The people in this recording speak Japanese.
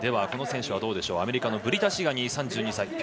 この選手はどうでしょうアメリカのブリタ・シガニー３２歳。